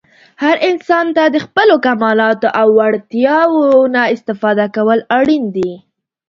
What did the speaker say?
هر انسان ته د خپلو کمالاتو او وړتیاوو نه استفاده کول اړین دي.